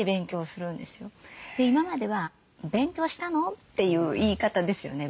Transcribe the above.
今までは「勉強したの？」っていう言い方ですよね。